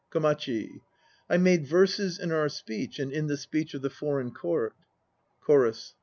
KOMACHI. I made verses in our speech And in the speech of the foreign Court. CHORUS.